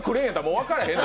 分からへんって。